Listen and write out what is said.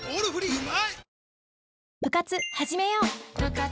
うまい！